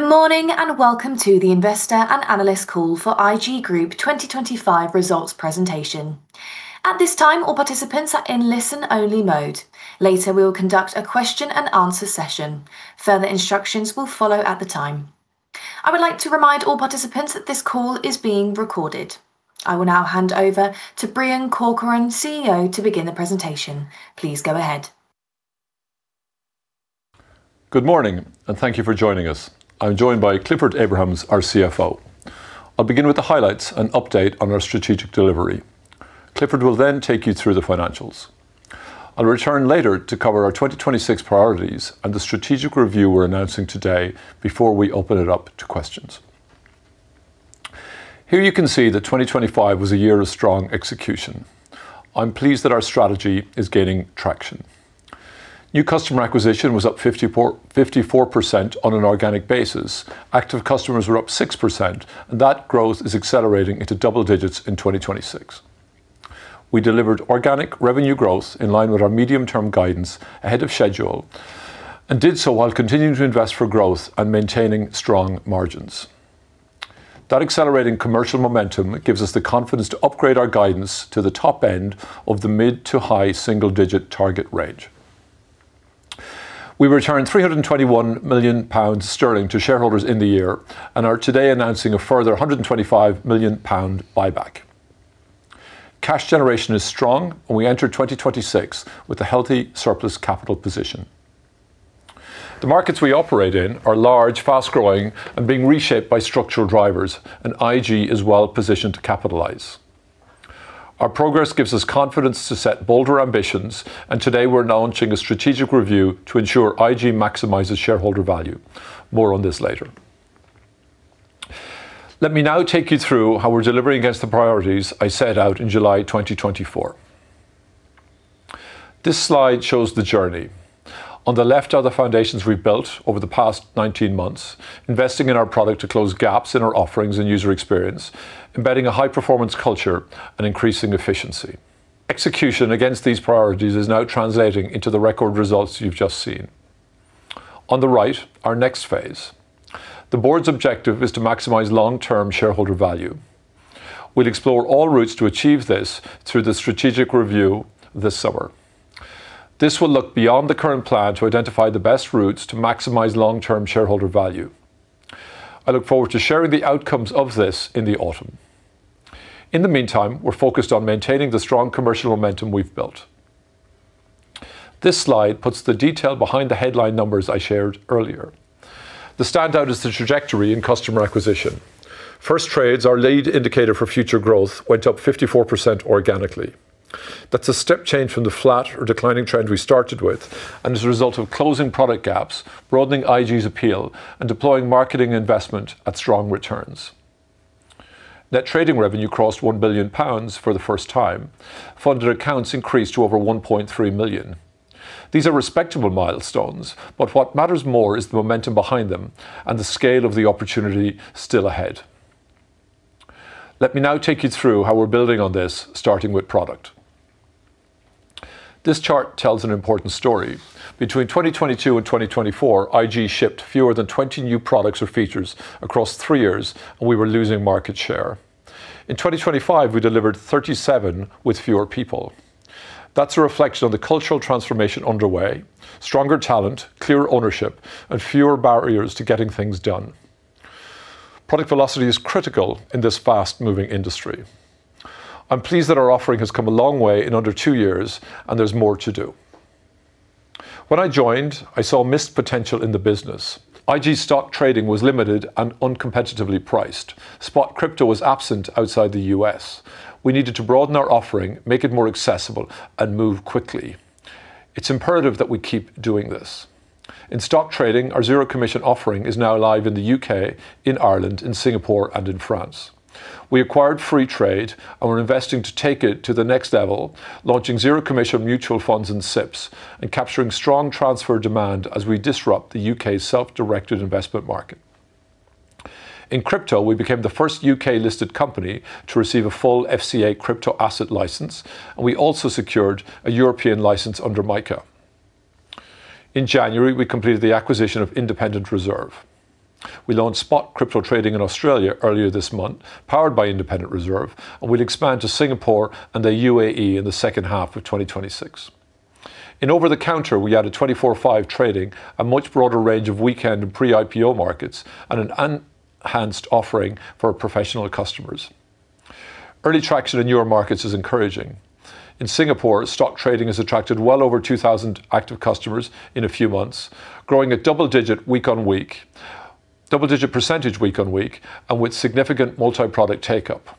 Good morning, and welcome to the Investor and Analyst Call for IG Group 2025 results presentation. At this time, all participants are in listen-only mode. Later, we will conduct a question and answer session. Further instructions will follow at the time. I would like to remind all participants that this call is being recorded. I will now hand over to Breon Corcoran, CEO, to begin the presentation. Please go ahead. Good morning, and thank you for joining us. I'm joined by Clifford Abrahams, our CFO. I'll begin with the highlights and update on our strategic delivery. Clifford will then take you through the financials. I'll return later to cover our 2026 priorities and the strategic review we're announcing today before we open it up to questions. Here you can see that 2025 was a year of strong execution. I'm pleased that our strategy is gaining traction. New customer acquisition was up 54% on an organic basis. Active customers were up 6%, and that growth is accelerating into double digits in 2026. We delivered organic revenue growth in line with our medium-term guidance ahead of schedule, and did so while continuing to invest for growth and maintaining strong margins. That accelerating commercial momentum gives us the confidence to upgrade our guidance to the top end of the mid- to high-single-digit target range. We returned 321 million sterling to shareholders in the year and are today announcing a further 125 million pound buyback. Cash generation is strong, and we enter 2026 with a healthy surplus capital position. The markets we operate in are large, fast-growing and being reshaped by structural drivers, and IG is well positioned to capitalize. Our progress gives us confidence to set bolder ambitions, and today we're launching a strategic review to ensure IG maximizes shareholder value. More on this later. Let me now take you through how we're delivering against the priorities I set out in July 2024. This slide shows the journey. On the left are the foundations we've built over the past 19 months, investing in our product to close gaps in our offerings and user experience, embedding a high performance culture and increasing efficiency. Execution against these priorities is now translating into the record results you've just seen. On the right, our next phase. The board's objective is to maximize long-term shareholder value. We'll explore all routes to achieve this through the strategic review this summer. This will look beyond the current plan to identify the best routes to maximize long-term shareholder value. I look forward to sharing the outcomes of this in the autumn. In the meantime, we're focused on maintaining the strong commercial momentum we've built. This slide puts the detail behind the headline numbers I shared earlier. The standout is the trajectory in customer acquisition. First trades, our lead indicator for future growth, went up 54% organically. That's a step change from the flat or declining trend we started with and is a result of closing product gaps, broadening IG's appeal, and deploying marketing investment at strong returns. Net trading revenue crossed 1 billion pounds for the first time. Funded accounts increased to over 1.3 million. These are respectable milestones, but what matters more is the momentum behind them and the scale of the opportunity still ahead. Let me now take you through how we're building on this, starting with product. This chart tells an important story. Between 2022 and 2024, IG shipped fewer than 20 new products or features across three years, and we were losing market share. In 2025, we delivered 37 with fewer people. That's a reflection of the cultural transformation underway, stronger talent, clearer ownership, and fewer barriers to getting things done. Product velocity is critical in this fast-moving industry. I'm pleased that our offering has come a long way in under two years, and there's more to do. When I joined, I saw missed potential in the business. IG stock trading was limited and uncompetitively priced. Spot crypto was absent outside the U.S. We needed to broaden our offering, make it more accessible, and move quickly. It's imperative that we keep doing this. In stock trading, our zero commission offering is now live in the U.K., in Ireland, in Singapore, and in France. We acquired Freetrade, and we're investing to take it to the next level, launching zero commission mutual funds in SIPPs and capturing strong transfer demand as we disrupt the U.K.'s self-directed investment market. In crypto, we became the first UK-listed company to receive a full FCA crypto asset license, and we also secured a European license under MiCA. In January, we completed the acquisition of Independent Reserve. We launched spot crypto trading in Australia earlier this month, powered by Independent Reserve, and we'll expand to Singapore and the UAE in the second half of 2026. In over-the-counter, we added 24/5 trading, a much broader range of weekend and pre-IPO markets, and an enhanced offering for professional customers. Early traction in newer markets is encouraging. In Singapore, stock trading has attracted well over 2,000 active customers in a few months, growing double-digit percentage week-on-week, and with significant multi-product take-up.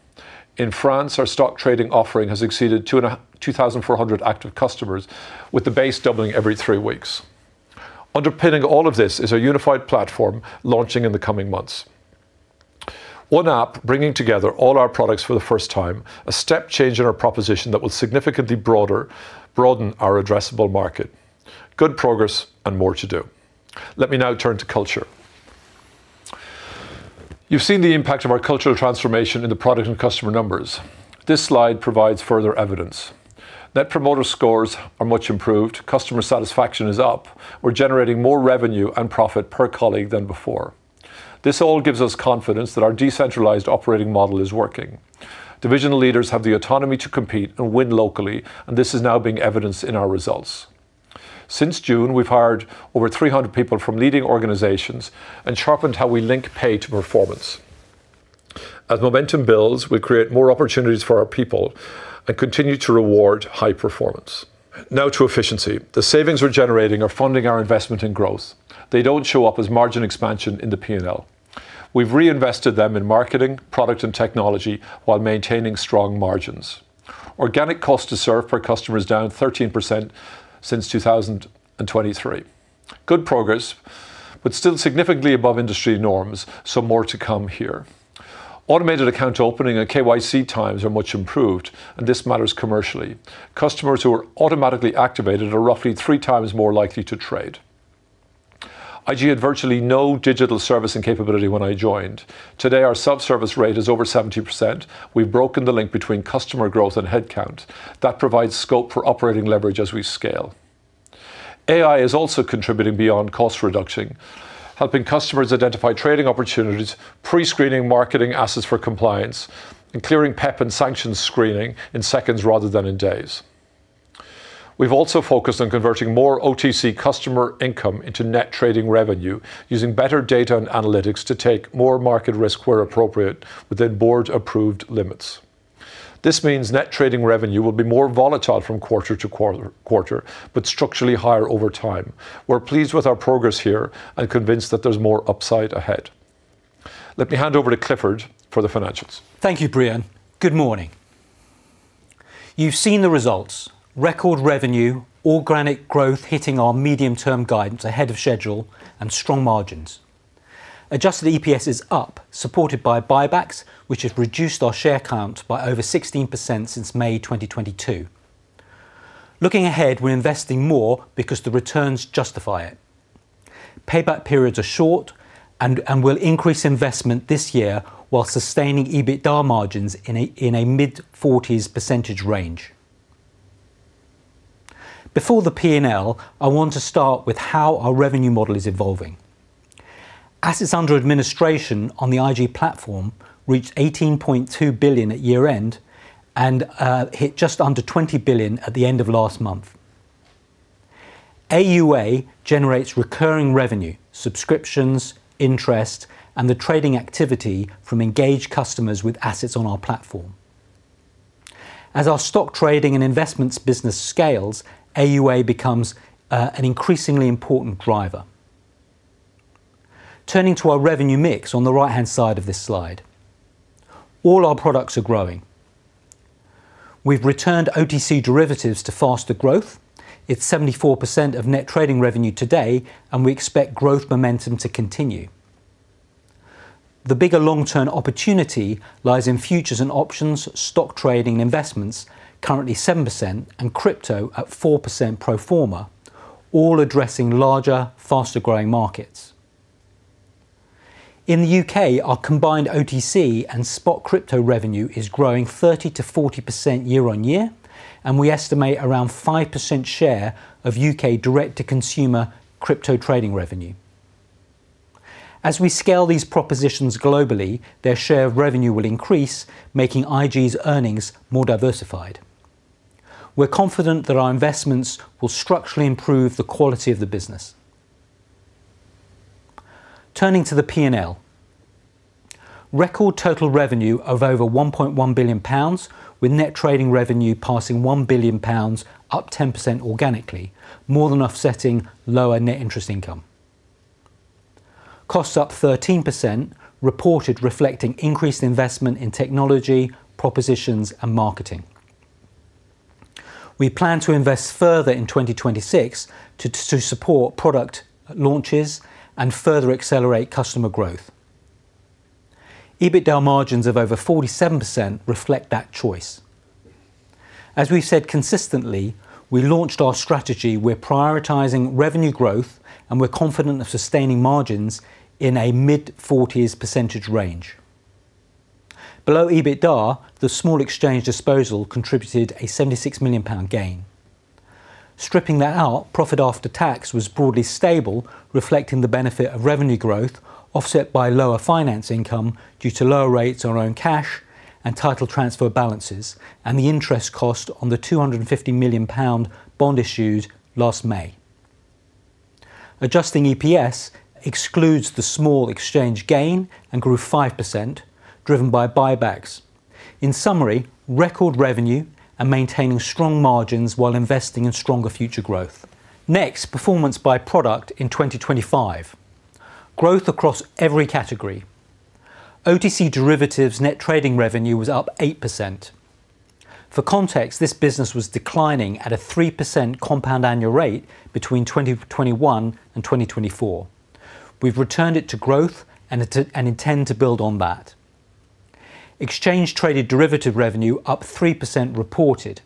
In France, our stock trading offering has exceeded 2,400 active customers, with the base doubling every three weeks. Underpinning all of this is a unified platform launching in the coming months. One app bringing together all our products for the first time, a step change in our proposition that will significantly broaden our addressable market. Good progress and more to do. Let me now turn to culture. You've seen the impact of our cultural transformation in the product and customer numbers. This slide provides further evidence. Net promoter scores are much improved. Customer satisfaction is up. We're generating more revenue and profit per colleague than before. This all gives us confidence that our decentralized operating model is working. Divisional leaders have the autonomy to compete and win locally, and this is now being evidenced in our results. Since June, we've hired over 300 people from leading organizations and sharpened how we link pay to performance. As momentum builds, we create more opportunities for our people and continue to reward high performance. Now to efficiency. The savings we're generating are funding our investment in growth. They don't show up as margin expansion in the P&L. We've reinvested them in marketing, product, and technology while maintaining strong margins. Organic cost to serve per customer is down 13% since 2023. Good progress, but still significantly above industry norms, so more to come here. Automated account opening and KYC times are much improved, and this matters commercially. Customers who are automatically activated are roughly three times more likely to trade. IG had virtually no digital servicing capability when I joined. Today, our self-service rate is over 70%. We've broken the link between customer growth and headcount. That provides scope for operating leverage as we scale. AI is also contributing beyond cost reduction, helping customers identify trading opportunities, pre-screening marketing assets for compliance, and clearing PEP and sanctions screening in seconds rather than in days. We've also focused on converting more OTC customer income into net trading revenue using better data and analytics to take more market risk where appropriate within board-approved limits. This means net trading revenue will be more volatile from quarter to quarter, but structurally higher over time. We're pleased with our progress here and convinced that there's more upside ahead. Let me hand over to Clifford for the financials. Thank you, Breon. Good morning. You've seen the results. Record revenue, organic growth hitting our medium-term guidance ahead of schedule, and strong margins. Adjusted EPS is up, supported by buybacks, which have reduced our share count by over 16% since May 2022. Looking ahead, we're investing more because the returns justify it. Payback periods are short and we'll increase investment this year while sustaining EBITDA margins in a mid-40s% range. Before the P&L, I want to start with how our revenue model is evolving. Assets under administration on the IG platform reached 18.2 billion at year-end and hit just under 20 billion at the end of last month. AUA generates recurring revenue, subscriptions, interest, and the trading activity from engaged customers with assets on our platform. As our stock trading and investments business scales, AUA becomes an increasingly important driver. Turning to our revenue mix on the right-hand side of this slide, all our products are growing. We've returned OTC derivatives to faster growth. It's 74% of net trading revenue today, and we expect growth momentum to continue. The bigger long-term opportunity lies in futures and options, stock trading, investments, currently 7%, and crypto at 4% pro forma, all addressing larger, faster-growing markets. In the U.K., our combined OTC and spot crypto revenue is growing 30%-40% year-over-year, and we estimate around 5% share of U.K. direct-to-consumer crypto trading revenue. As we scale these propositions globally, their share of revenue will increase, making IG's earnings more diversified. We're confident that our investments will structurally improve the quality of the business. Turning to the P&L, record total revenue of over 1.1 billion pounds, with net trading revenue passing 1 billion pounds, up 10% organically, more than offsetting lower net interest income. Costs up 13%, reported reflecting increased investment in technology, propositions, and marketing. We plan to invest further in 2026 to support product launches and further accelerate customer growth. EBITDA margins of over 47% reflect that choice. As we've said consistently, we launched our strategy, we're prioritizing revenue growth, and we're confident of sustaining margins in a mid-40s percentage range. Below EBITDA, the Small Exchange disposal contributed a 76 million pound gain. Stripping that out, profit after tax was broadly stable, reflecting the benefit of revenue growth offset by lower finance income due to lower rates on our own cash and title transfer balances and the interest cost on the 250 million pound bond issued last May. Adjusted EPS excludes the small exchange gain and grew 5%, driven by buybacks. In summary, record revenue and maintaining strong margins while investing in stronger future growth. Next, performance by product in 2025. Growth across every category. OTC derivatives net trading revenue was up 8%. For context, this business was declining at a 3% compound annual rate between 2021 and 2024. We've returned it to growth and intend to build on that. Exchange traded derivatives revenue up 3% reported.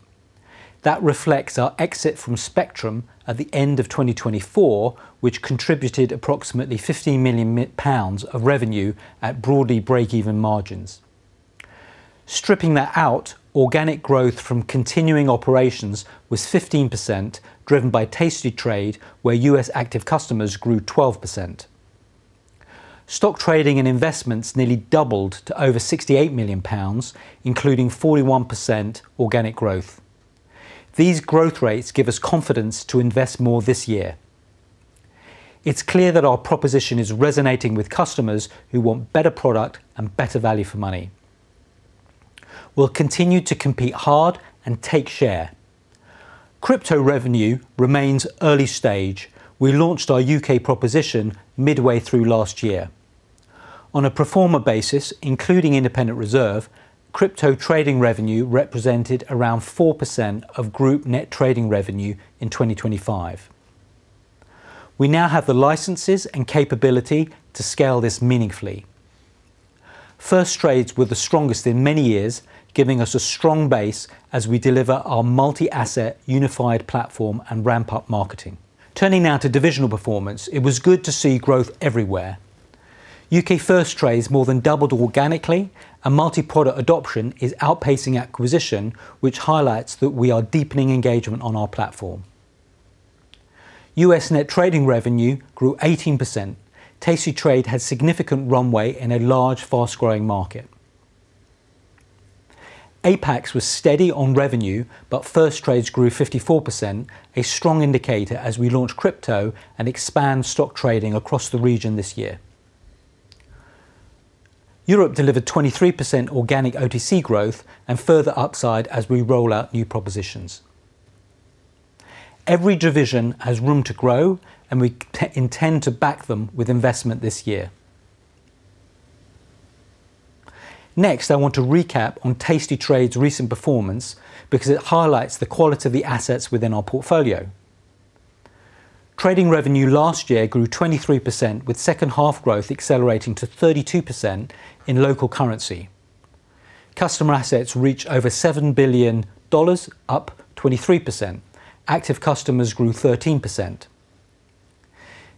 That reflects our exit from Spectrum at the end of 2024, which contributed approximately 15 million pounds of revenue at broadly break-even margins. Stripping that out, organic growth from continuing operations was 15%, driven by tastytrade, where U.S. active customers grew 12%. Stock trading and investments nearly doubled to over 68 million pounds, including 41% organic growth. These growth rates give us confidence to invest more this year. It's clear that our proposition is resonating with customers who want better product and better value for money. We'll continue to compete hard and take share. Crypto revenue remains early stage. We launched our U.K. proposition midway through last year. On a pro forma basis, including Independent Reserve, crypto trading revenue represented around 4% of group net trading revenue in 2025. We now have the licenses and capability to scale this meaningfully. First trades were the strongest in many years, giving us a strong base as we deliver our multi-asset unified platform and ramp up marketing. Turning now to divisional performance, it was good to see growth everywhere. UK first trades more than doubled organically and multiproduct adoption is outpacing acquisition, which highlights that we are deepening engagement on our platform. US net trading revenue grew 18%. Tastytrade has significant runway in a large, fast-growing market. APAC was steady on revenue, but first trades grew 54%, a strong indicator as we launch crypto and expand stock trading across the region this year. Europe delivered 23% organic OTC growth and further upside as we roll out new propositions. Every division has room to grow, and we intend to back them with investment this year. Next, I want to recap on tastytrade's recent performance because it highlights the quality of the assets within our portfolio. Trading revenue last year grew 23%, with second half growth accelerating to 32% in local currency. Customer assets reach over $7 billion, up 23%. Active customers grew 13%.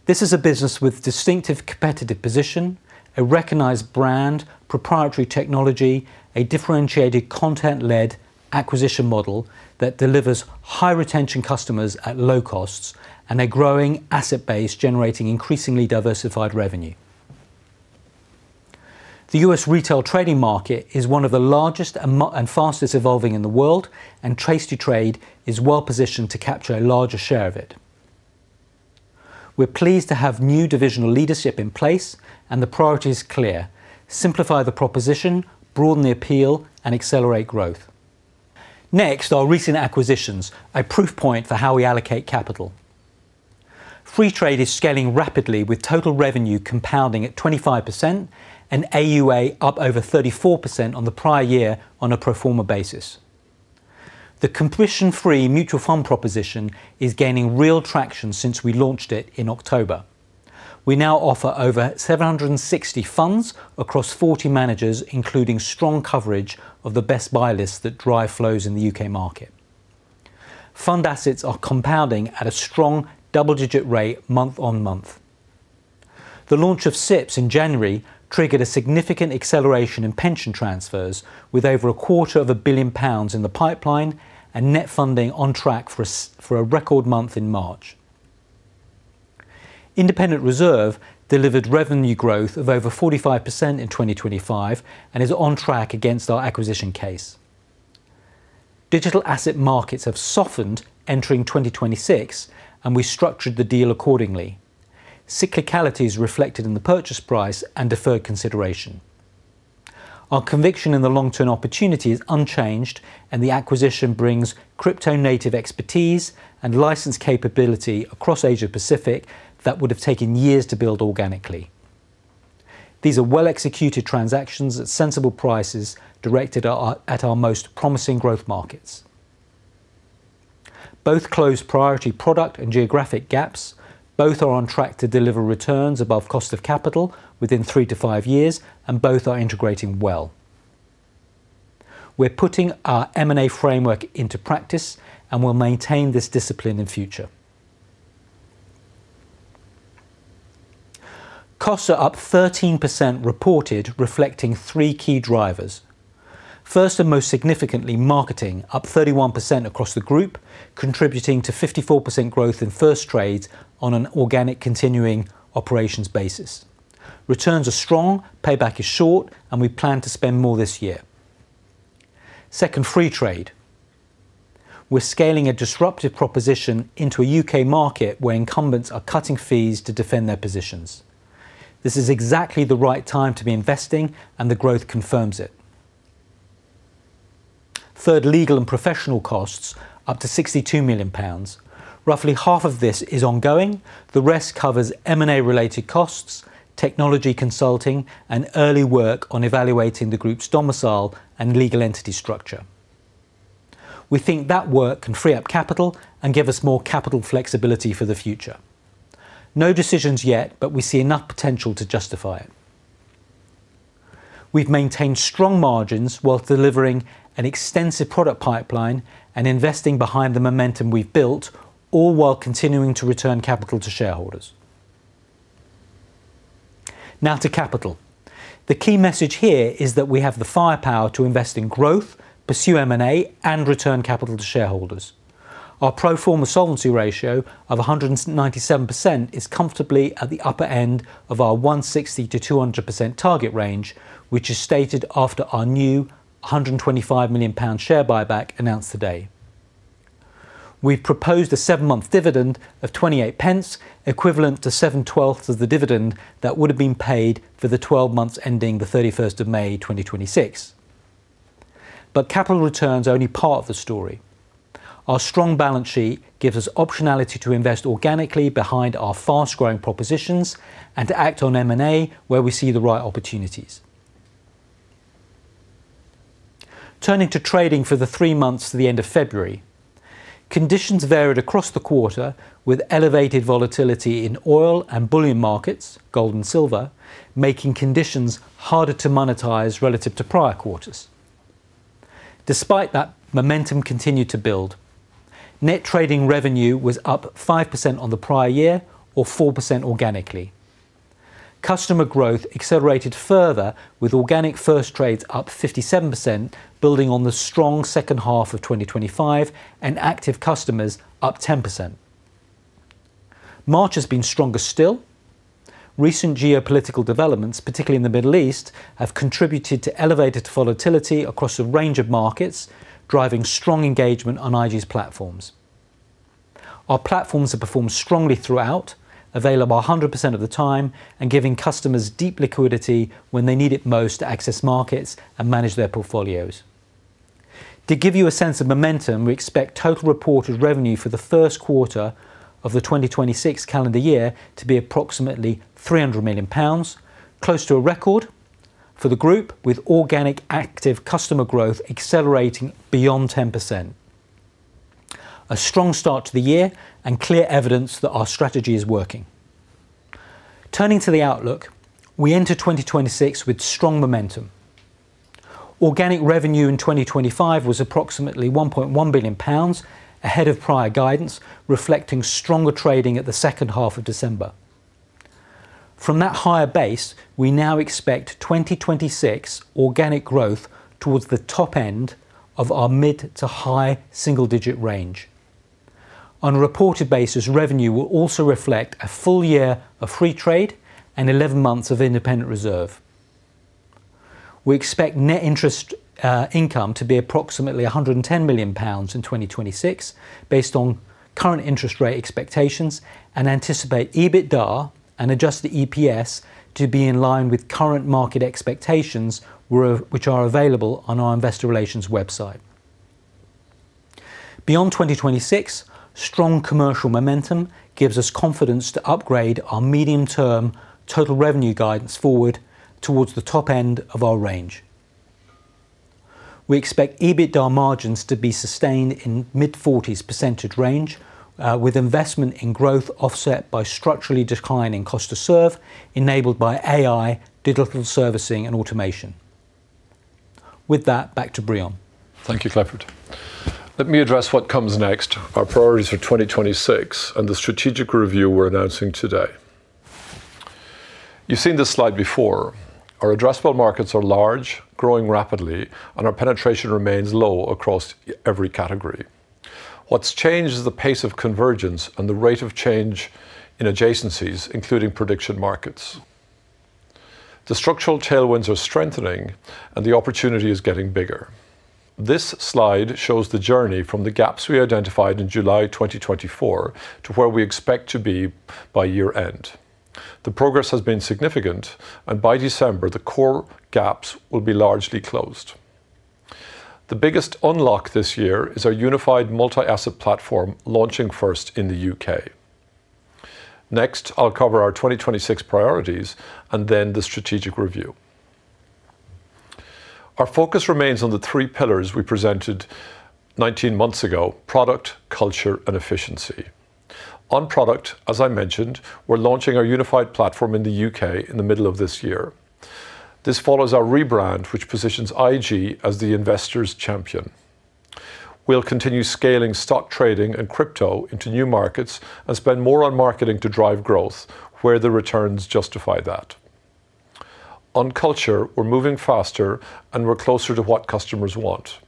This is a business with distinctive competitive position, a recognized brand, proprietary technology, a differentiated content-led acquisition model that delivers high retention customers at low costs, and a growing asset base generating increasingly diversified revenue. The U.S. retail trading market is one of the largest and fastest evolving in the world, and tastytrade is well positioned to capture a larger share of it. We're pleased to have new divisional leadership in place, and the priority is clear. Simplify the proposition, broaden the appeal and accelerate growth. Next, our recent acquisitions, a proof point for how we allocate capital. Freetrade is scaling rapidly with total revenue compounding at 25% and AUA up over 34% on the prior year on a pro forma basis. The commission-free mutual fund proposition is gaining real traction since we launched it in October. We now offer over 760 funds across 40 managers, including strong coverage of the best buy lists that drive flows in the UK market. Fund assets are compounding at a strong double-digit rate month-on-month. The launch of SIPs in January triggered a significant acceleration in pension transfers with over a quarter of a billion pounds in the pipeline and net funding on track for a record month in March. Independent Reserve delivered revenue growth of over 45% in 2025 and is on track against our acquisition case. Digital asset markets have softened entering 2026, and we structured the deal accordingly. Cyclicality is reflected in the purchase price and deferred consideration. Our conviction in the long-term opportunity is unchanged, and the acquisition brings crypto native expertise and license capability across Asia-Pacific that would have taken years to build organically. These are well-executed transactions at sensible prices at our most promising growth markets. Both close priority product and geographic gaps, both are on track to deliver returns above cost of capital within 3-5 years, and both are integrating well. We're putting our M&A framework into practice and will maintain this discipline in future. Costs are up 13% reported, reflecting three key drivers. First, and most significantly, marketing, up 31% across the group, contributing to 54% growth in first trades on an organic continuing operations basis. Returns are strong, payback is short, and we plan to spend more this year. Second, Freetrade. We're scaling a disruptive proposition into a U.K. market where incumbents are cutting fees to defend their positions. This is exactly the right time to be investing and the growth confirms it. Third, legal and professional costs, up to 62 million pounds. Roughly half of this is ongoing. The rest covers M&A related costs, technology consulting, and early work on evaluating the group's domicile and legal entity structure. We think that work can free up capital and give us more capital flexibility for the future. No decisions yet, but we see enough potential to justify it. We've maintained strong margins while delivering an extensive product pipeline and investing behind the momentum we've built, all while continuing to return capital to shareholders. Now to capital. The key message here is that we have the firepower to invest in growth, pursue M&A, and return capital to shareholders. Our pro forma solvency ratio of 197% is comfortably at the upper end of our 160%-200% target range, which is stated after our new 125 million pound share buyback announced today. We've proposed a seven-month dividend of 0.28, equivalent to seven-twelfths of the dividend that would have been paid for the twelve months ending the 31st of May, 2026. Capital return's only part of the story. Our strong balance sheet gives us optionality to invest organically behind our fast-growing propositions and to act on M&A where we see the right opportunities. Turning to trading for the three months to the end of February. Conditions varied across the quarter, with elevated volatility in oil and bullion markets, gold and silver, making conditions harder to monetize relative to prior quarters. Despite that, momentum continued to build. Net trading revenue was up 5% on the prior year or 4% organically. Customer growth accelerated further with organic first trades up 57%, building on the strong second half of 2025 and active customers up 10%. March has been stronger still. Recent geopolitical developments, particularly in the Middle East, have contributed to elevated volatility across a range of markets, driving strong engagement on IG's platforms. Our platforms have performed strongly throughout, available 100% of the time and giving customers deep liquidity when they need it most to access markets and manage their portfolios. To give you a sense of momentum, we expect total reported revenue for the Q1 of the 2026 calendar year to be approximately 300 million pounds, close to a record for the group with organic active customer growth accelerating beyond 10%. A strong start to the year and clear evidence that our strategy is working. Turning to the outlook, we enter 2026 with strong momentum. Organic revenue in 2025 was approximately 1.1 billion pounds, ahead of prior guidance, reflecting stronger trading in the second half of December. From that higher base, we now expect 2026 organic growth towards the top end of our mid- to high-single-digit range. On a reported basis, revenue will also reflect a full year of Freetrade and 11 months of Independent Reserve. We expect net interest income to be approximately 110 million pounds in 2026 based on current interest rate expectations and anticipate EBITDA and adjusted EPS to be in line with current market expectations which are available on our investor relations website. Beyond 2026, strong commercial momentum gives us confidence to upgrade our medium-term total revenue guidance forward towards the top end of our range. We expect EBITDA margins to be sustained in mid-40s% range, with investment in growth offset by structurally declining cost to serve, enabled by AI, digital servicing and automation. With that, back to Breon. Thank you, Clifford. Let me address what comes next, our priorities for 2026 and the strategic review we're announcing today. You've seen this slide before. Our addressable markets are large, growing rapidly, and our penetration remains low across every category. What's changed is the pace of convergence and the rate of change in adjacencies, including prediction markets. The structural tailwinds are strengthening and the opportunity is getting bigger. This slide shows the journey from the gaps we identified in July 2024 to where we expect to be by year-end. The progress has been significant, and by December, the core gaps will be largely closed. The biggest unlock this year is our unified multi-asset platform launching first in the U.K. Next, I'll cover our 2026 priorities and then the strategic review. Our focus remains on the three pillars we presented 19 months ago, product, culture, and efficiency. On product, as I mentioned, we're launching our unified platform in the UK in the middle of this year. This follows our rebrand, which positions IG as the investor's champion. We'll continue scaling stock trading and crypto into new markets and spend more on marketing to drive growth where the returns justify that. On culture, we're moving faster, and we're closer to what customers want.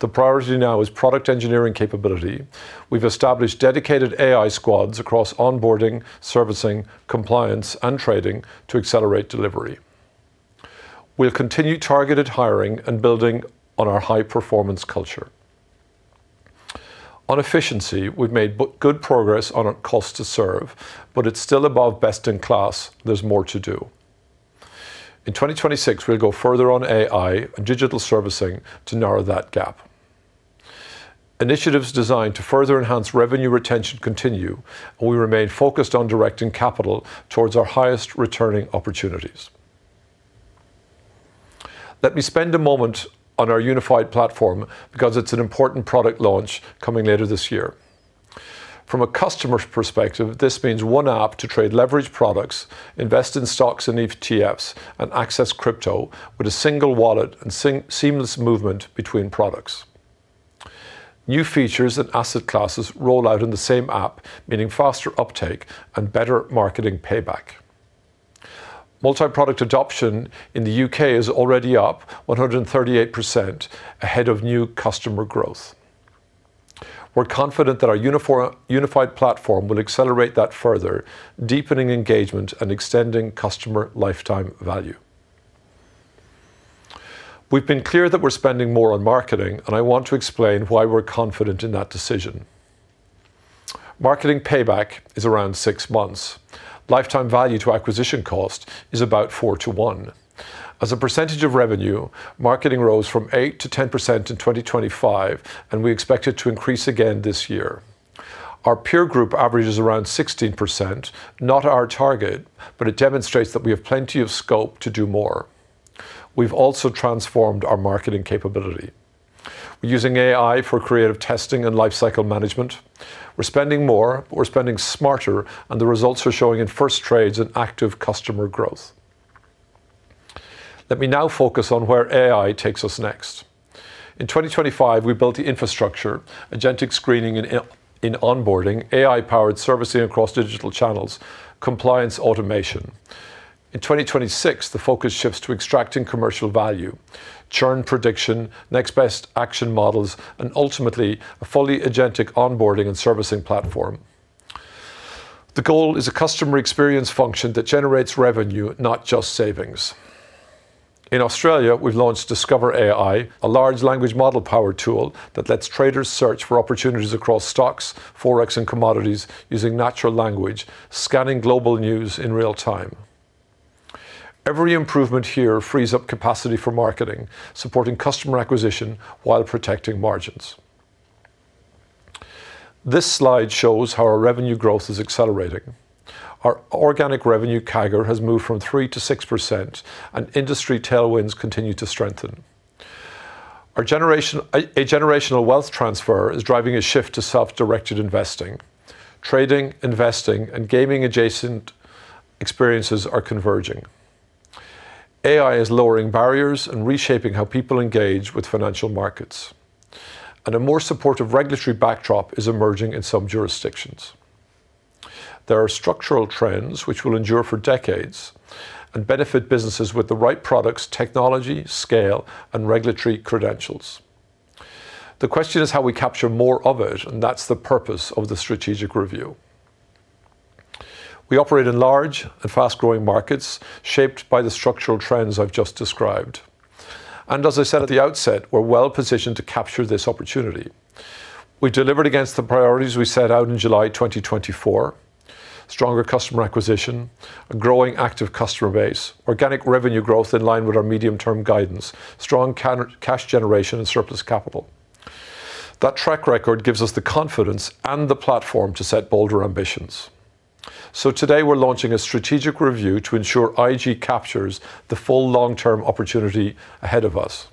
The priority now is product engineering capability. We've established dedicated AI squads across onboarding, servicing, compliance, and trading to accelerate delivery. We'll continue targeted hiring and building on our high-performance culture. On efficiency, we've made good progress on our cost to serve, but it's still above best in class. There's more to do. In 2026, we'll go further on AI and digital servicing to narrow that gap. Initiatives designed to further enhance revenue retention continue, and we remain focused on directing capital towards our highest returning opportunities. Let me spend a moment on our unified platform because it's an important product launch coming later this year. From a customer's perspective, this means one app to trade leverage products, invest in stocks and ETFs, and access crypto with a single wallet and seamless movement between products. New features and asset classes roll out in the same app, meaning faster uptake and better marketing payback. Multi-product adoption in the UK is already up 138% ahead of new customer growth. We're confident that our unified platform will accelerate that further, deepening engagement and extending customer lifetime value. We've been clear that we're spending more on marketing, and I want to explain why we're confident in that decision. Marketing payback is around six months. Lifetime value to acquisition cost is about 4:1. As a percentage of revenue, marketing rose from 8%-10% in 2025, and we expect it to increase again this year. Our peer group averages around 16%, not our target, but it demonstrates that we have plenty of scope to do more. We've also transformed our marketing capability. We're using AI for creative testing and lifecycle management. We're spending more, we're spending smarter, and the results are showing in first trades and active customer growth. Let me now focus on where AI takes us next. In 2025, we built the infrastructure, agentic screening in onboarding, AI-powered servicing across digital channels, compliance automation. In 2026, the focus shifts to extracting commercial value, churn prediction, next best action models, and ultimately, a fully agentic onboarding and servicing platform. The goal is a customer experience function that generates revenue, not just savings. In Australia, we've launched Discover AI, a large language model-powered tool that lets traders search for opportunities across stocks, forex, and commodities using natural language, scanning global news in real time. Every improvement here frees up capacity for marketing, supporting customer acquisition while protecting margins. This slide shows how our revenue growth is accelerating. Our organic revenue CAGR has moved from 3%-6%, and industry tailwinds continue to strengthen. A generational wealth transfer is driving a shift to self-directed investing. Trading, investing, and gaming adjacent experiences are converging. AI is lowering barriers and reshaping how people engage with financial markets, and a more supportive regulatory backdrop is emerging in some jurisdictions. There are structural trends which will endure for decades and benefit businesses with the right products, technology, scale, and regulatory credentials. The question is how we capture more of it, and that's the purpose of the strategic review. We operate in large and fast-growing markets shaped by the structural trends I've just described. As I said at the outset, we're well-positioned to capture this opportunity. We delivered against the priorities we set out in July 2024, stronger customer acquisition, a growing active customer base, organic revenue growth in line with our medium-term guidance, strong cash generation and surplus capital. That track record gives us the confidence and the platform to set bolder ambitions. Today, we're launching a strategic review to ensure IG captures the full long-term opportunity ahead of us.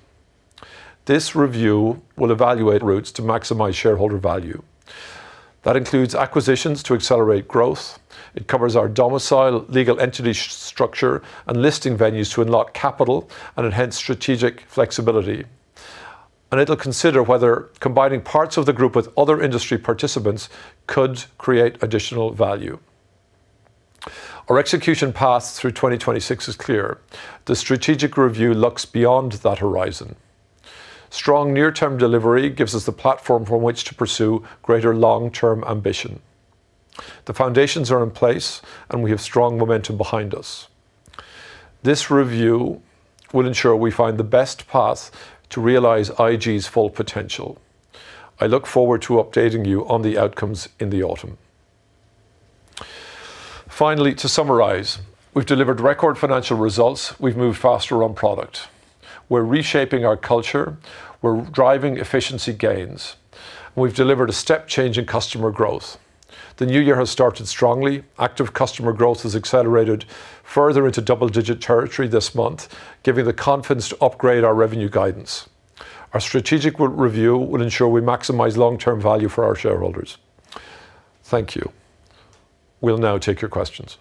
This review will evaluate routes to maximize shareholder value. That includes acquisitions to accelerate growth. It covers our domicile, legal entity structure, and listing venues to unlock capital and enhance strategic flexibility. It'll consider whether combining parts of the group with other industry participants could create additional value. Our execution path through 2026 is clear. The strategic review looks beyond that horizon. Strong near-term delivery gives us the platform from which to pursue greater long-term ambition. The foundations are in place, and we have strong momentum behind us. This review will ensure we find the best path to realize IG's full potential. I look forward to updating you on the outcomes in the autumn. Finally, to summarize, we've delivered record financial results. We've moved faster on product. We're reshaping our culture. We're driving efficiency gains. We've delivered a step change in customer growth. The new year has started strongly. Active customer growth has accelerated further into double-digit territory this month, giving the confidence to upgrade our revenue guidance. Our strategic review will ensure we maximize long-term value for our shareholders. Thank you. We'll now take your questions.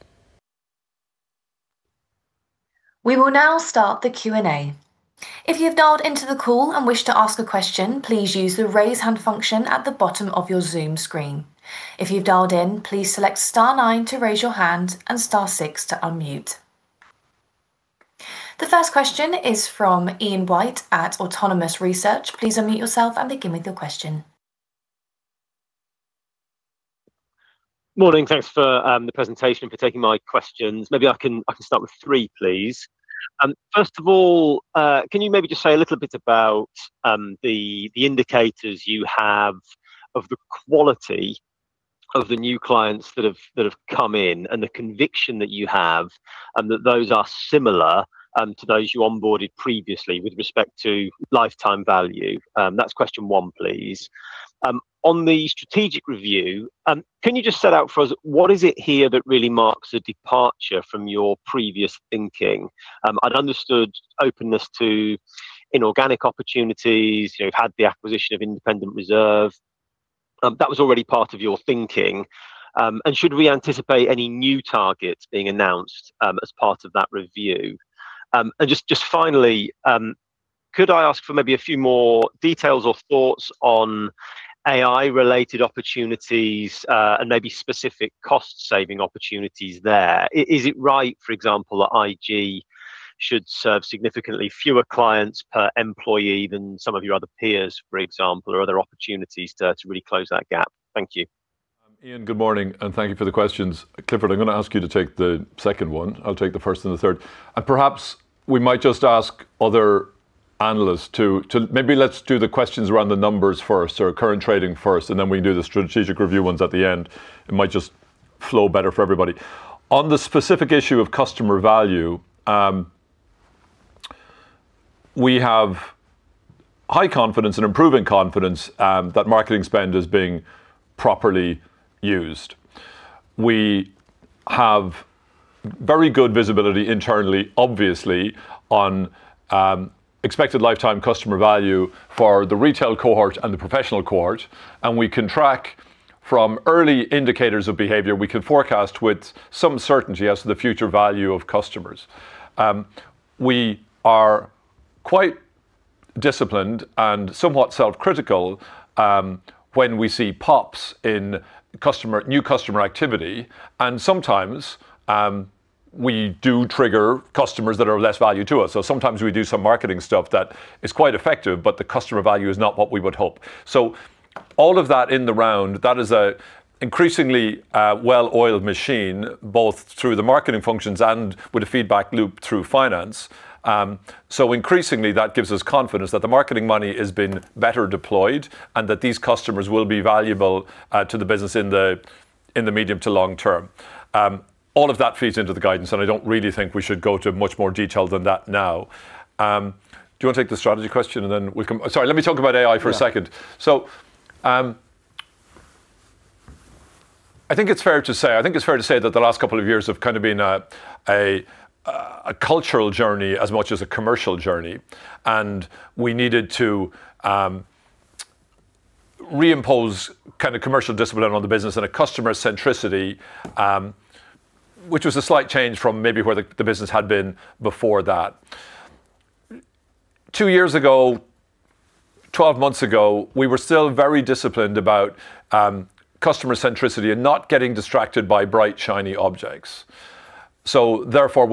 We will now start the Q&A. If you've dialed into the call and wish to ask a question, please use the raise hand function at the bottom of your Zoom screen. If you've dialed in, please select star nine to raise your hand and star six to unmute. The first question is from Ian White at Autonomous Research. Please unmute yourself and begin with your question. Morning. Thanks for the presentation, for taking my questions. Maybe I can start with three, please. First of all, can you maybe just say a little bit about the indicators you have of the quality of the new clients that have come in, and the conviction that you have, and that those are similar to those you onboarded previously with respect to lifetime value. That's question one, please. On the strategic review, can you just set out for us what is it here that really marks a departure from your previous thinking? I'd understood openness to inorganic opportunities. You've had the acquisition of Independent Reserve. That was already part of your thinking. Should we anticipate any new targets being announced as part of that review? Just finally, could I ask for maybe a few more details or thoughts on AI-related opportunities, and maybe specific cost-saving opportunities there? Is it right, for example, that IG should serve significantly fewer clients per employee than some of your other peers, for example? Are there opportunities to really close that gap? Thank you. Ian, good morning, and thank you for the questions. Clifford, I'm gonna ask you to take the second one. I'll take the first and the third. Perhaps we might just ask other analysts to maybe let's do the questions around the numbers first or current trading first, and then we do the strategic review ones at the end. It might just flow better for everybody. On the specific issue of customer value, we have high confidence and improving confidence that marketing spend is being properly used. We have very good visibility internally, obviously, on expected lifetime customer value for the retail cohort and the professional cohort, and we can track from early indicators of behavior, we can forecast with some certainty as to the future value of customers. We are quite disciplined and somewhat self-critical when we see pops in new customer activity, and sometimes we do trigger customers that are of less value to us. Sometimes we do some marketing stuff that is quite effective, but the customer value is not what we would hope. All of that in the round, that is an increasingly well-oiled machine, both through the marketing functions and with a feedback loop through finance. Increasingly, that gives us confidence that the marketing money has been better deployed and that these customers will be valuable to the business in the medium to long term. All of that feeds into the guidance, and I don't really think we should go into much more detail than that now. Do you want to take the strategy question and then we can? Sorry, let me talk about AI for a second. Yeah. I think it's fair to say that the last couple of years have kind of been a cultural journey as much as a commercial journey, and we needed to reimpose kind of commercial discipline on the business and customer centricity, which was a slight change from maybe where the business had been before that. Two years ago, 12 months ago, we were still very disciplined about customer centricity and not getting distracted by bright, shiny objects. Two years ago,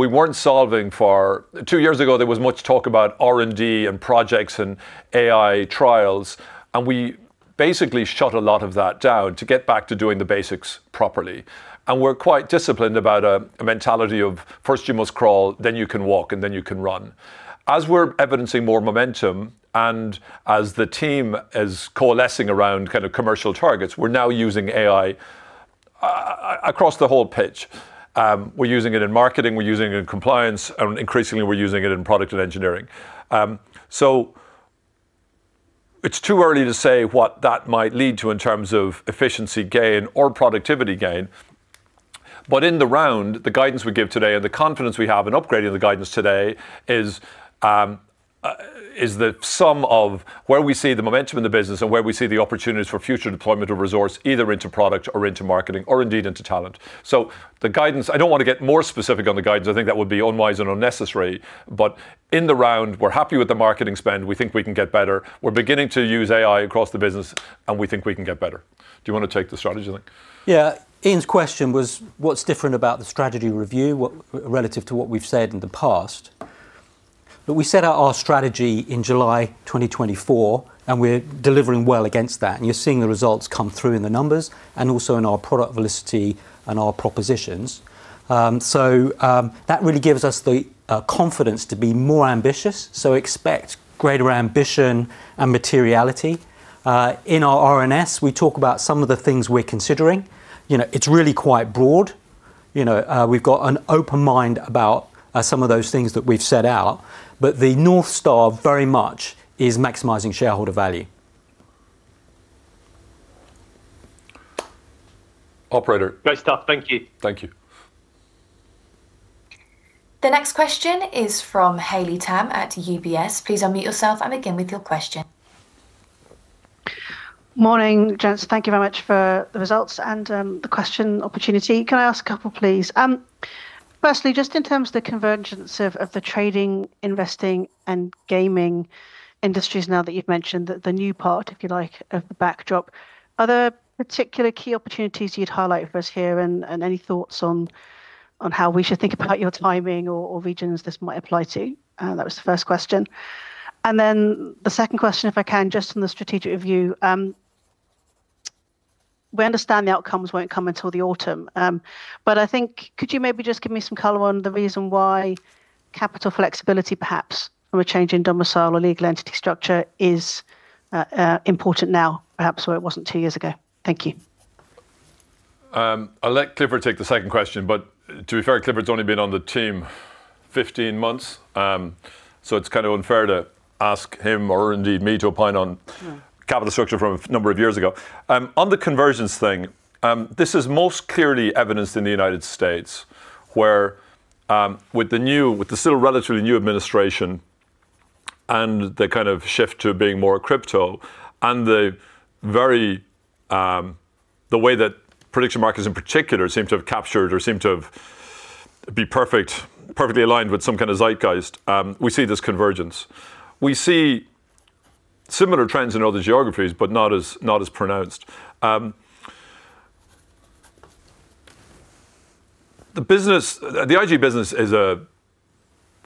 there was much talk about R&D and projects and AI trials, and we basically shut a lot of that down to get back to doing the basics properly. We're quite disciplined about a mentality of first you must crawl, then you can walk, and then you can run. As we're evidencing more momentum and as the team is coalescing around kind of commercial targets, we're now using AI across the whole pitch. We're using it in marketing, we're using it in compliance, and increasingly we're using it in product and engineering. So it's too early to say what that might lead to in terms of efficiency gain or productivity gain. But in the round, the guidance we give today and the confidence we have in upgrading the guidance today is the sum of where we see the momentum in the business and where we see the opportunities for future deployment of resource, either into product or into marketing or indeed into talent. The guidance, I don't want to get more specific on the guidance. I think that would be unwise and unnecessary. In the round, we're happy with the marketing spend. We think we can get better. We're beginning to use AI across the business, and we think we can get better. Do you want to take the strategy thing? Yeah. Ian's question was what's different about the strategy review, relative to what we've said in the past. We set out our strategy in July 2024, and we're delivering well against that, and you're seeing the results come through in the numbers and also in our product velocity and our propositions. That really gives us the confidence to be more ambitious. Expect greater ambition and materiality. In our RNS, we talk about some of the things we're considering. You know, it's really quite broad. You know, we've got an open mind about some of those things that we've set out. The North Star very much is maximizing shareholder value. Operator. Great stuff. Thank you. Thank you. The next question is from Haley Tam at UBS. Please unmute yourself and begin with your question. Morning, gents. Thank you very much for the results and the question opportunity. Can I ask a couple, please? Firstly, just in terms of the convergence of the trading, investing, and gaming industries now that you've mentioned that the new part, if you like, of the backdrop. Are there particular key opportunities you'd highlight for us here and any thoughts on how we should think about your timing or regions this might apply to? That was the first question. The second question, if I can, just on the strategic review. We understand the outcomes won't come until the autumn. I think could you maybe just give me some color on the reason why capital flexibility, perhaps from a change in domicile or legal entity structure is important now, perhaps where it wasn't two years ago? Thank you. I'll let Clifford take the second question, but to be fair, Clifford's only been on the team 15 months. So it's kind of unfair to ask him or indeed me to opine on capital structure from a number of years ago. On the conversions thing, this is most clearly evidenced in the United States, where, with the still relatively new administration and the kind of shift to being more crypto and the very way that prediction markets in particular seem to have captured or seem to be perfectly aligned with some kind of zeitgeist, we see this convergence. We see similar trends in other geographies, but not as pronounced. The business, the IG business is a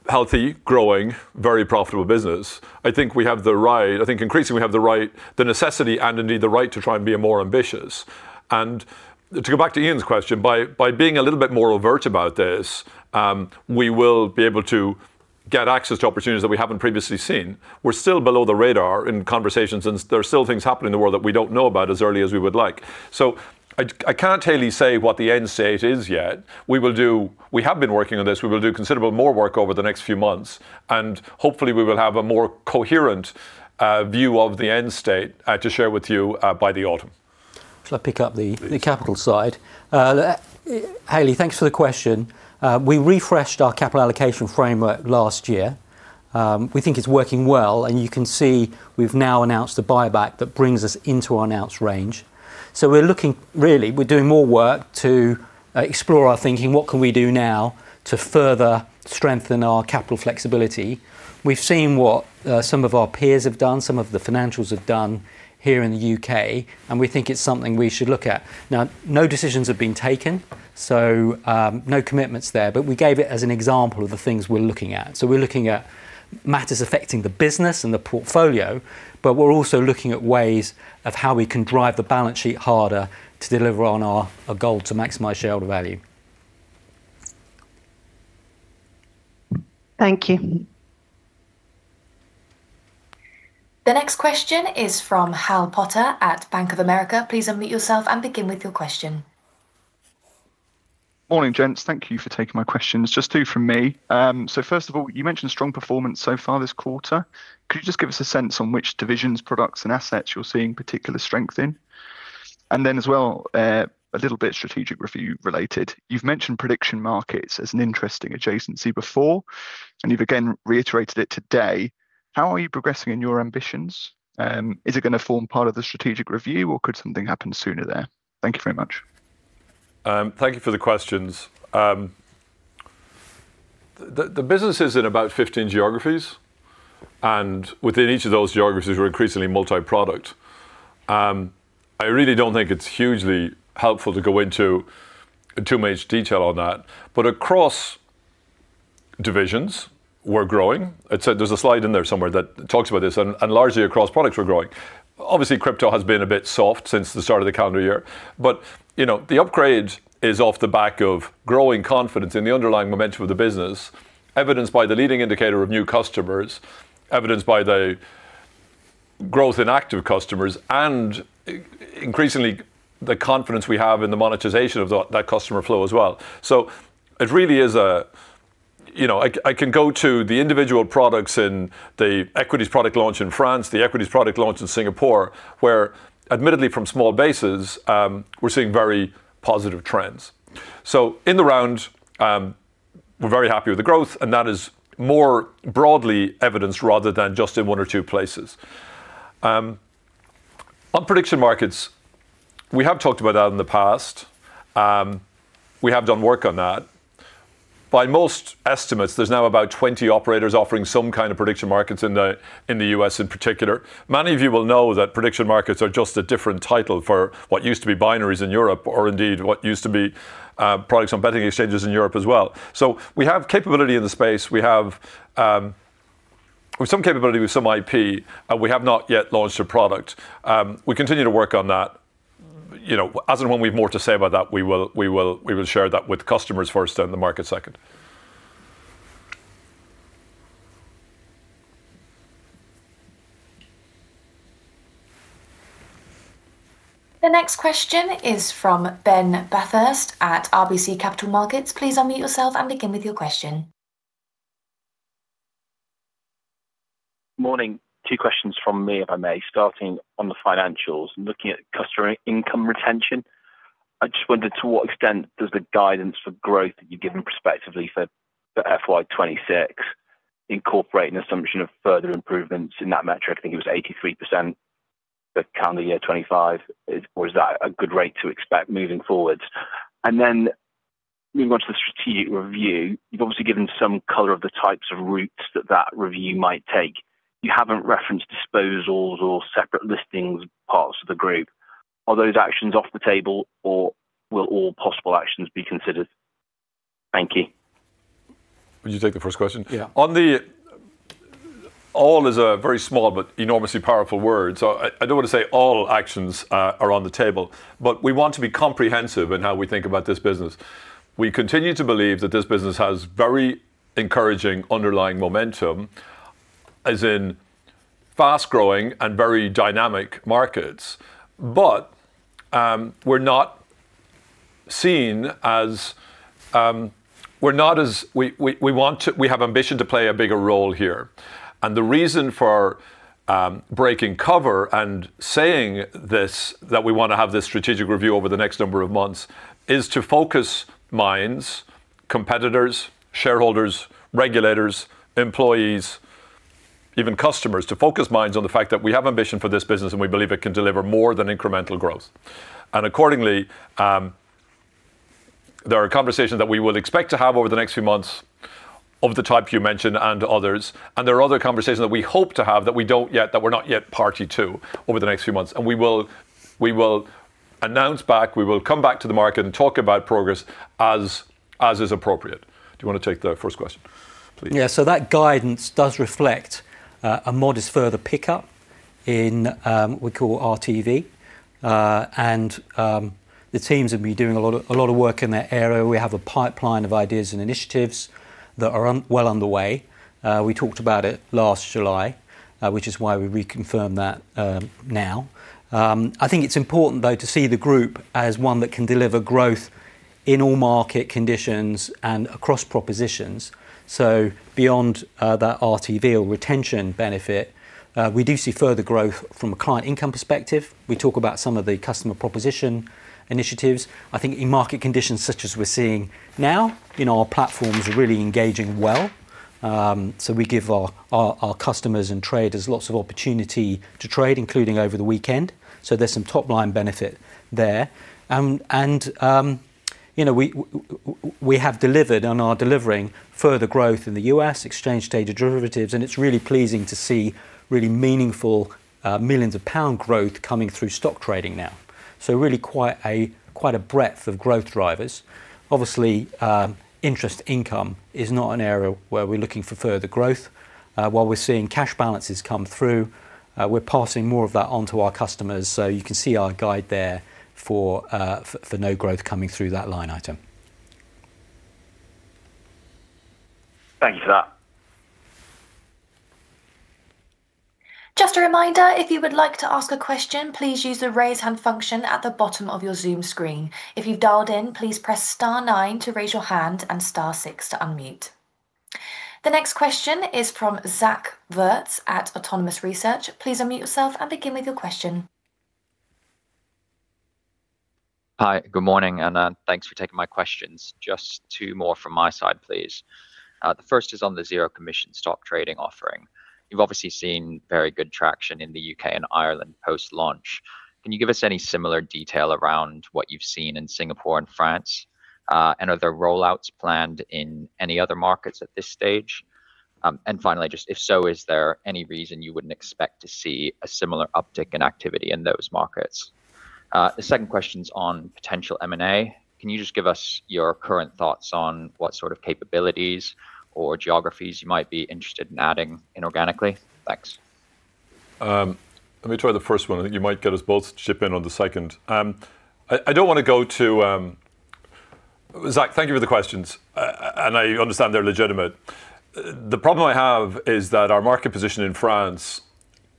healthy, growing, very profitable business. I think we have the right... I think increasingly we have the right, the necessity and indeed the right to try and be more ambitious. To go back to Ian's question, by being a little bit more overt about this, we will be able to get access to opportunities that we haven't previously seen. We're still below the radar in conversations, and there are still things happening in the world that we don't know about as early as we would like. I can't totally say what the end state is yet. We have been working on this. We will do considerable more work over the next few months, and hopefully we will have a more coherent view of the end state to share with you by the autumn. Shall I pick up the capital side? Haley, thanks for the question. We refreshed our capital allocation framework last year. We think it's working well, and you can see we've now announced a buyback that brings us into our announced range. We're looking. Really, we're doing more work to explore our thinking, what can we do now to further strengthen our capital flexibility. We've seen what some of our peers have done, some of the financials have done here in the U.K., and we think it's something we should look at. Now, no decisions have been taken, so no commitments there, but we gave it as an example of the things we're looking at. We're looking at matters affecting the business and the portfolio, but we're also looking at ways of how we can drive the balance sheet harder to deliver on our goal to maximize shareholder value. Thank you. The next question is from Hal Potter at Bank of America. Please unmute yourself and begin with your question. Morning, gents. Thank you for taking my questions. Just two from me. First of all, you mentioned strong performance so far this quarter. Could you just give us a sense on which divisions, products and assets you're seeing particular strength in? As well, a little bit strategic review related. You've mentioned prediction markets as an interesting adjacency before, and you've again reiterated it today. How are you progressing in your ambitions? Is it going to form part of the strategic review or could something happen sooner there? Thank you very much. Thank you for the questions. The business is in about 15 geographies, and within each of those geographies, we're increasingly multi-product. I really don't think it's hugely helpful to go into too much detail on that. But across divisions, we're growing. I'd say there's a slide in there somewhere that talks about this, and largely across products we're growing. Obviously, crypto has been a bit soft since the start of the calendar year. You know, the upgrade is off the back of growing confidence in the underlying momentum of the business, evidenced by the leading indicator of new customers, evidenced by the growth in active customers and increasingly the confidence we have in the monetization of that customer flow as well. It really is a. You know, I can go to the individual products in the equities product launch in France, the equities product launch in Singapore, where admittedly from small bases, we're seeing very positive trends. In the round, we're very happy with the growth, and that is more broadly evidenced rather than just in one or two places. On prediction markets, we have talked about that in the past. We have done work on that. By most estimates, there's now about 20 operators offering some kind of prediction markets in the U.S. in particular. Many of you will know that prediction markets are just a different title for what used to be binaries in Europe or indeed what used to be products on betting exchanges in Europe as well. We have capability in the space. We have some capability with some IP, and we have not yet launched a product. We continue to work on that. You know, as and when we have more to say about that, we will share that with customers first, then the market second. The next question is from Ben Bathurst at RBC Capital Markets. Please unmute yourself and begin with your question. Morning. Two questions from me, if I may. Starting on the financials. Looking at customer income retention, I just wondered to what extent does the guidance for growth that you've given prospectively for FY 2026 incorporate an assumption of further improvements in that metric? I think it was 83% for calendar year 2025. Or is that a good rate to expect moving forwards? Then moving on to the strategic review. You've obviously given some color of the types of routes that that review might take. You haven't referenced disposals or separate listings parts of the group. Are those actions off the table or will all possible actions be considered? Thank you. Would you take the first question? Yeah. All is a very small but enormously powerful word. I don't want to say all actions are on the table, but we want to be comprehensive in how we think about this business. We continue to believe that this business has very encouraging underlying momentum. As in fast-growing and very dynamic markets. We have ambition to play a bigger role here. The reason for breaking cover and saying this, that we wanna have this strategic review over the next number of months, is to focus minds, competitors, shareholders, regulators, employees, even customers. To focus minds on the fact that we have ambition for this business, and we believe it can deliver more than incremental growth. Accordingly, there are conversations that we will expect to have over the next few months of the type you mentioned and others, and there are other conversations that we hope to have that we don't yet, that we're not yet party to over the next few months. We will announce back. We will come back to the market and talk about progress as is appropriate. Do you wanna take the first question, please? Yeah. That guidance does reflect a modest further pickup in what we call RTV. The teams have been doing a lot of work in that area. We have a pipeline of ideas and initiatives that are well underway. We talked about it last July, which is why we reconfirm that now. I think it's important though to see the group as one that can deliver growth in all market conditions and across propositions. Beyond that RTV or retention benefit, we do see further growth from a client income perspective. We talk about some of the customer proposition initiatives. I think in market conditions such as we're seeing now, you know, our platforms are really engaging well. We give our customers and traders lots of opportunity to trade, including over the weekend, so there's some top-line benefit there. You know, we have delivered and are delivering further growth in the U.S. exchange-traded derivatives, and it's really pleasing to see really meaningful millions of GBP growth coming through stock trading now. Really quite a breadth of growth drivers. Obviously, interest income is not an area where we're looking for further growth. While we're seeing cash balances come through, we're passing more of that on to our customers, so you can see our guide there for no growth coming through that line item. Thank you for that. Just a reminder, if you would like to ask a question, please use the raise hand function at the bottom of your Zoom screen. If you've dialed in, please press star nine to raise your hand and star six to unmute. The next question is from Zach Wertz at Autonomous Research. Please unmute yourself and begin with your question. Hi. Good morning, and thanks for taking my questions. Just two more from my side, please. The first is on the zero commission stock trading offering. You've obviously seen very good traction in the UK and Ireland post-launch. Can you give us any similar detail around what you've seen in Singapore and France? And are there rollouts planned in any other markets at this stage? And finally, just if so, is there any reason you wouldn't expect to see a similar uptick in activity in those markets? The second question's on potential M&A. Can you just give us your current thoughts on what sort of capabilities or geographies you might be interested in adding inorganically? Thanks. Let me try the first one. I think you might get us both to chip in on the second. Zach, thank you for the questions. I understand they're legitimate. The problem I have is that our market position in France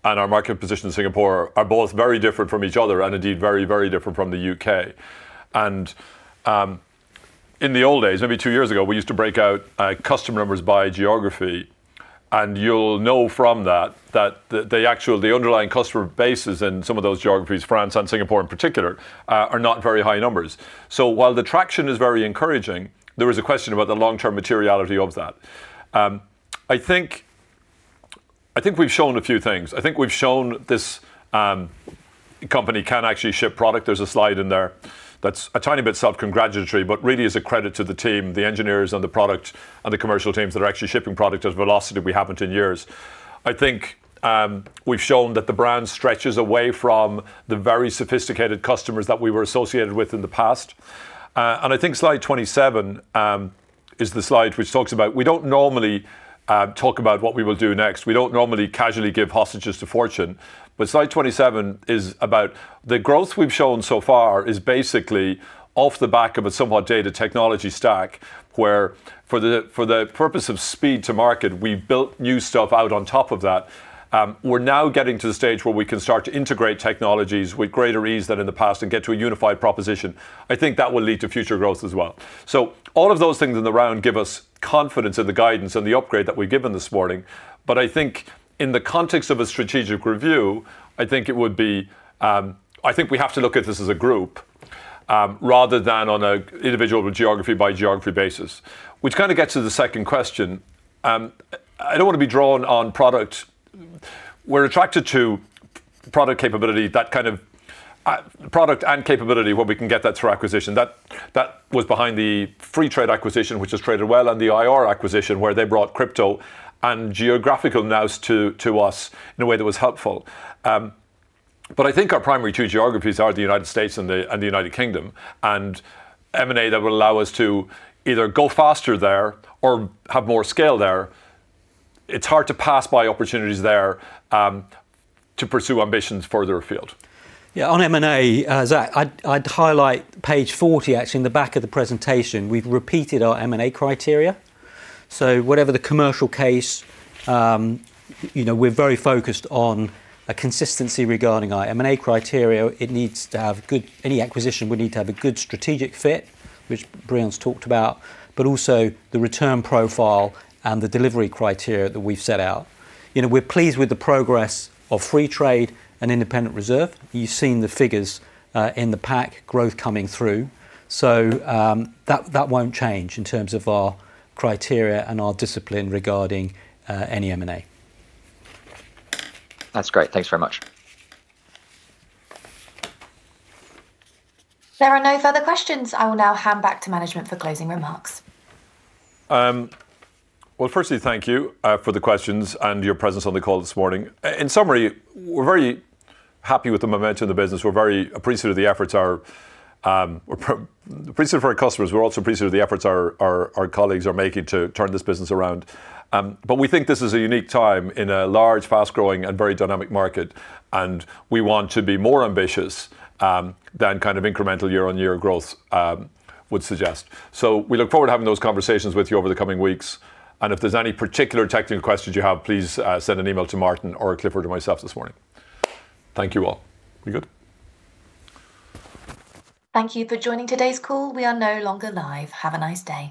and our market position in Singapore are both very different from each other and indeed very, very different from the UK. In the old days, maybe two years ago, we used to break out customer numbers by geography, and you'll know from that that the actual underlying customer bases in some of those geographies, France and Singapore in particular, are not very high numbers. While the traction is very encouraging, there is a question about the long-term materiality of that. I think we've shown a few things. I think we've shown this company can actually ship product. There's a slide in there that's a tiny bit self-congratulatory, but really is a credit to the team, the engineers on the product, and the commercial teams that are actually shipping product at velocity we haven't in years. I think we've shown that the brand stretches away from the very sophisticated customers that we were associated with in the past. I think slide 27 is the slide which talks about. We don't normally talk about what we will do next. We don't normally casually give hostages to fortune. Slide 27 is about the growth we've shown so far is basically off the back of a somewhat dated technology stack, where for the purpose of speed to market, we've built new stuff out on top of that. We're now getting to the stage where we can start to integrate technologies with greater ease than in the past and get to a unified proposition. I think that will lead to future growth as well. All of those things in the round give us confidence in the guidance and the upgrade that we've given this morning. I think in the context of a strategic review, we have to look at this as a group, rather than on an individual geography by geography basis, which kinda gets to the second question. I don't wanna be drawn on product. We're attracted to product capability that kind of product and capability where we can get that through acquisition. That was behind the Freetrade acquisition, which has traded well, and the IR acquisition, where they brought crypto and geographical nous to us in a way that was helpful. But I think our primary two geographies are the United States and the United Kingdom. M&A that will allow us to either go faster there or have more scale there, it's hard to pass by opportunities there, to pursue ambitions further afield. Yeah. On M&A, Zach, I'd highlight page 40, actually, in the back of the presentation. We've repeated our M&A criteria. Whatever the commercial case, you know, we're very focused on a consistency regarding our M&A criteria. It needs to have. Any acquisition would need to have a good strategic fit, which Breon's talked about, but also the return profile and the delivery criteria that we've set out. You know, we're pleased with the progress of Freetrade and Independent Reserve. You've seen the figures, in the pack growth coming through. That won't change in terms of our criteria and our discipline regarding any M&A. That's great. Thanks very much. There are no further questions. I will now hand back to management for closing remarks. Well, firstly, thank you for the questions and your presence on the call this morning. In summary, we're very happy with the momentum of the business. We're very appreciative of our customers. We're also appreciative of the efforts our colleagues are making to turn this business around. We think this is a unique time in a large, fast-growing and very dynamic market, and we want to be more ambitious than kind of incremental year-on-year growth would suggest. We look forward to having those conversations with you over the coming weeks. If there's any particular technical questions you have, please send an email to Martin or Clifford or myself this morning. Thank you, all. We good? Thank you for joining today's call. We are no longer live. Have a nice day.